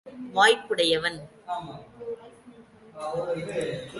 அப்புதல்வன் தேவருலகையும் ஆளும் வாய்ப்புடையவன்.